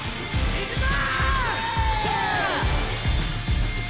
いくぞ！